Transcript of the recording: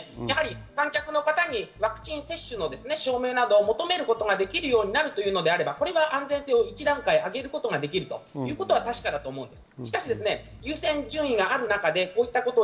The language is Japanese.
観客の方にワクチン接種の証明などを求めることができるようになるのであれば安全性を一段階上げることができるということは確かです。